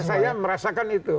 saya merasakan itu